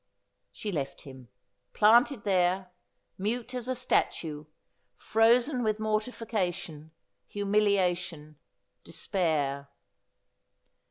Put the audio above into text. She left him, planted there — mute as a statue— frozen with mortification, humiliation, despair.